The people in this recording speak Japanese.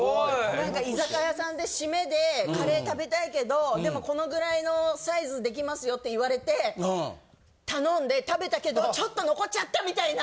なんか居酒屋さんでシメでカレー食べたいけどでもこのぐらいのサイズ出来ますよって言われて頼んで食べたけどちょっと残っちゃったみたいな。